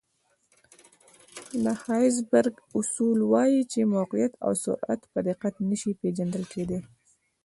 د هایزنبرګ اصول وایي چې موقعیت او سرعت په دقت نه شي پېژندل کېدلی.